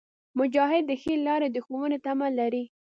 مجاهد د ښې لارې د ښوونې تمه لري.